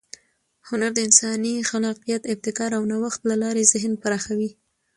هنر د انساني خلاقیت، ابتکار او نوښت له لارې ذهن پراخوي.